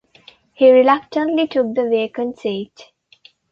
He reluctantly took the vacant seat.